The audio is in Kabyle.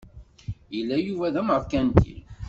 Yella Yuba d ameṛkanti.